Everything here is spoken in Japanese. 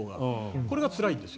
これがつらいんですよ